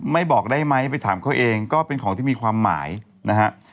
บอกได้ไหมไปถามเขาเองก็เป็นของที่มีความหมายนะฮะ